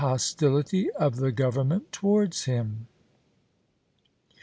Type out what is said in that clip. hostility of the Government towards him.